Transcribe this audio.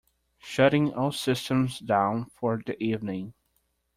Shutting all systems down for the evening.